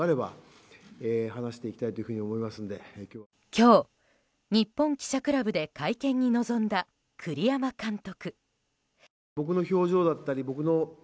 今日、日本記者クラブで会見に臨んだ栗山監督。